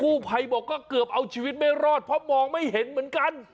ผู้ภัยบอกก็เกือบเอาชีวิตไม่รอดเพราะมองไม่เห็นเหมือนกัน